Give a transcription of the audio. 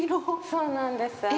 そうなんです。